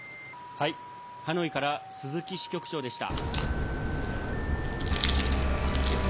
ハノイから鈴木支局長でした。